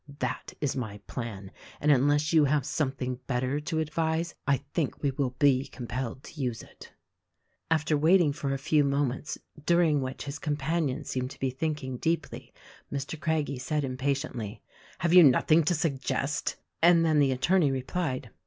That is my plan, and unless you have something better to advise I think we will be compelled to use it." After waiting for a few moments, during which his com panion seemed to be thinking deeply, Mr. Craggie said impatiently, "Have you nothing to suggest?" and then the attorney replied.